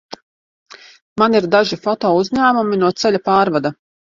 Man ir daži fotouzņēmumi no ceļa pārvada.